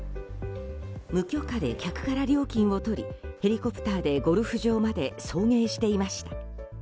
無許可で客から料金を取りヘリコプターでゴルフ場まで送迎していました。